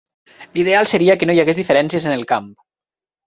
L'ideal seria que no hi hagués diferències en el camp.